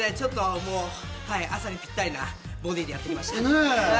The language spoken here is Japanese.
朝にぴったりなボディでやってきました。